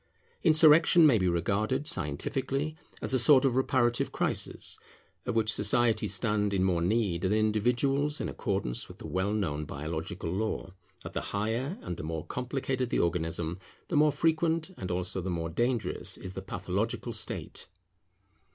Insurrection may be regarded, scientifically, as a sort of reparative crisis, of which societies stand in more need than individuals in accordance with the well known biological law, that the higher and the more complicated the organism, the more frequent and also the more dangerous is the pathological state.